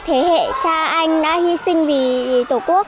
thế hệ cha anh đã hy sinh vì tổ quốc